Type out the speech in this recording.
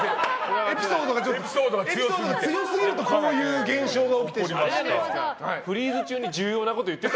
エピソードが強すぎるとこういう現象が起きちゃいました。